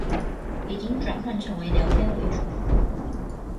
已經轉換成為聊天為主